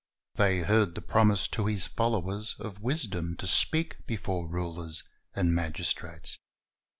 They heard the promise to His followers of wisdom to speak before rulers and magistrates.